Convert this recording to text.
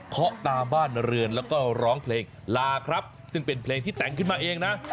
เขาตามบ้านเรือนแล้วก็ร้องเพลงลาครับซึ่งเป็นเพลงที่แต่งขึ้นมาเองนะ